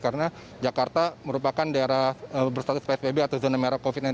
karena jakarta merupakan daerah berstatus psbb atau zona merah covid sembilan belas